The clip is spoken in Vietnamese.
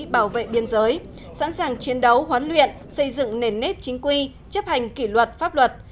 bảo vệ biên giới sẵn sàng chiến đấu hoán luyện xây dựng nền nếp chính quy chấp hành kỷ luật pháp luật